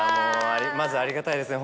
まずありがたいですね